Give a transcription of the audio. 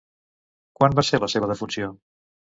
Quan va ser la seva defunció?